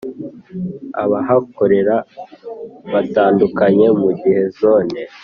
abahakorera batandukanye mu gihe Zone